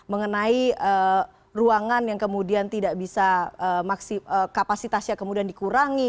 mengenai ruangan yang kemudian tidak bisa kapasitasnya kemudian dikurangi